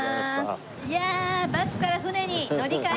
いやあバスから船に乗り換えです。